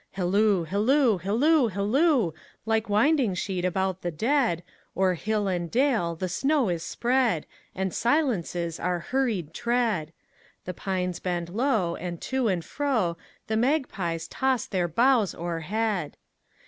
Hilloo, hilloo, hilloo, hilloo! Like winding sheet about the dead, O'er hill and dale the snow is spread, And silences our hurried tread; The pines bend low, and to and froThe magpies toss their boughs o'erhead.